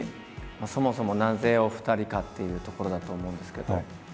そもそもなぜお二人かっていうところだと思うんですけど。